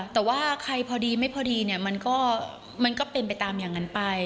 แต่ว่าใครพอดีไม่พอดีเนี่ยมันก็เป็นไปตามอย่างนั้นไป